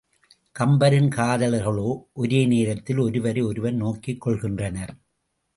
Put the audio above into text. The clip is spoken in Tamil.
கம்பரின் காதலர்களோ ஒரே நேரத்தில் ஒருவரை ஒருவர் நோக்கிக் கொள்கின்றனர்.